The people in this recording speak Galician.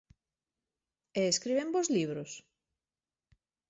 E escriben bos libros?